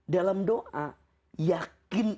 dalam doa yakin